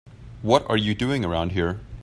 What are you doing around here?